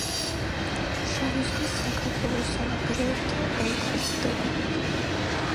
შავი ზღვის საქართველოს სანაპიროებთან ყველგან ხვდება.